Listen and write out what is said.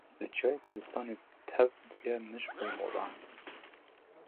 Li çiyayên kurdistanê tev bûye mij û moran.